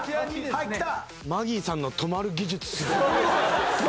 はいきた。